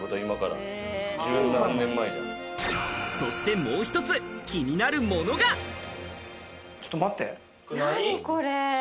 そして、もう１つ気になるもちょっと待って。